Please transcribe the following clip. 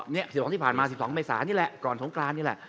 นี่๑๒ที่ผ่านมา๑๒เมษานี่แหละก่อนสงกรานนี่แหละ